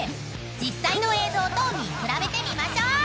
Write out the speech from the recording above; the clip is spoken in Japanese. ［実際の映像と見比べてみましょう！］